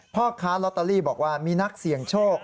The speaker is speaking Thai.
พ่อค้าลอตเตอรี่บอกว่ามีนักเสี่ยงโชค